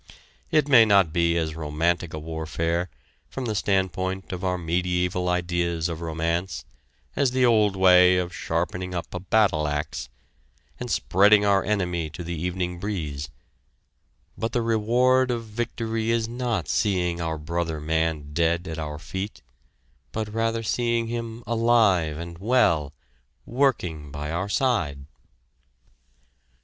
It may not be as romantic a warfare, from the standpoint of our medieval ideas of romance, as the old way of sharpening up a battle axe, and spreading our enemy to the evening breeze, but the reward of victory is not seeing our brother man dead at our feet; but rather seeing him alive and well, working by our side.